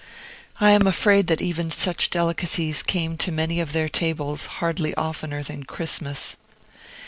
I am afraid that even such delicacies came to many of their tables hardly oftener than Christmas.